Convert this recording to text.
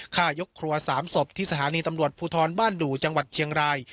ฆ่ายกครัว๓ศพที่สถานีตำรวจภูทรบ้านดู่จังหวัดเชียงราย